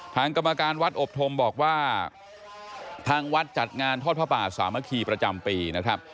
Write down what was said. กรรมการวัดอบธมบอกว่าทางวัดจัดงานทอดพระป่าสามัคคีประจำปีนะครับ